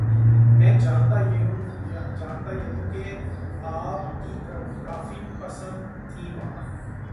میں جانتا ہیںں کہ آپ کیں کافی پسند تھیں وہاں